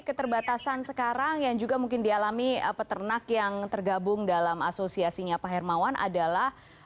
keterbatasan sekarang yang juga mungkin dialami peternak yang tergabung dalam asosiasinya pak hermawan adalah